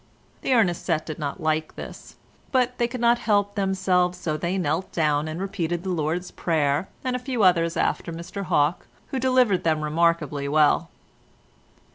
The Ernest set did not like this, but they could not help themselves, so they knelt down and repeated the Lord's Prayer and a few others after Mr Hawke, who delivered them remarkably well.